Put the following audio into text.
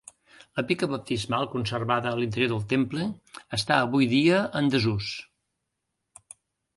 La pica baptismal conservada a l'interior del temple, està avui dia en desús.